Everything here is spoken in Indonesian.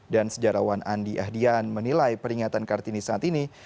dan sejarawan andi ahdian menilai peringatan kartini saat ini